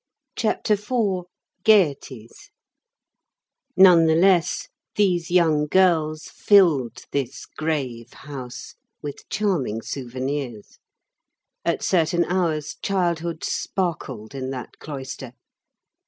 CHAPTER IV—GAYETIES Nonetheless, these young girls filled this grave house with charming souvenirs. At certain hours childhood sparkled in that cloister.